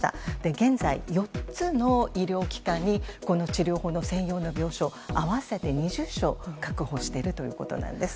現在４つの医療機関にこの治療法の専用の病床合わせて２０床確保しているということです。